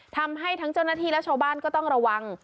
ทำให้ทั้งเจ้าหน้าที่และชาวบ้านก็ต้องระวัง